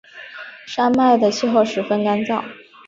山脉的气候十分干燥。